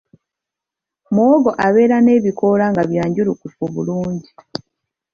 Muwogo abeera n’ebikoola nga byanjulukufu bulungi.